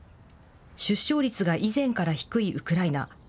出生率が以前から低いウクライナ。